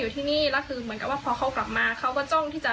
ต้องบอกว่ากระโดดขาคู่อะ